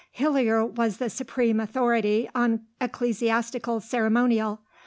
Hillier was the supreme authority on ecclesiastical ceremonial.